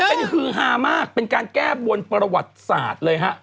เป็นฮือฮามากเป็นการแก้บนประวัติศาสตร์เลยฮะ